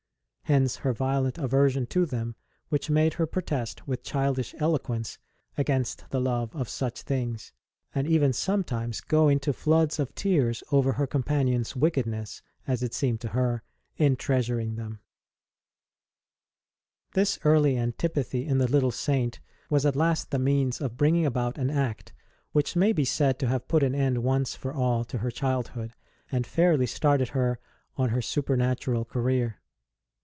Hence her violent aversion to them, which made her protest with childish eloquence against the love of such things, and even sometimes go into floods of tears over her companions wickedness, as it seemed to her, in treasuring them. ST. ROSE S CHILDHOOD 51 This early antipathy in the little Saint was at last the means of bringing about an act which may be said to have put an end once for all to her childhood, and fairly started her on her supernatural career.